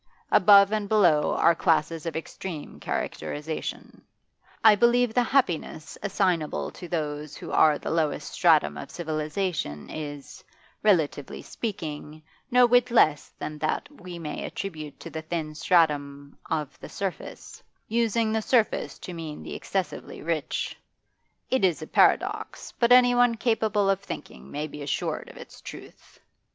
Above and below are classes of extreme characterisation; I believe the happiness assignable to those who are the lowest stratum of civilisation is, relatively speaking, no whit less than that we may attribute to the thin stratum of the surface, using the surface to mean the excessively rich. It is a paradox, but anyone capable of thinking may be assured of its truth.